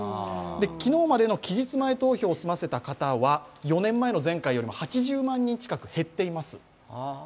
昨日までの期日前投票を済ませた人は４年前の前回よりも８０万人近く減っています。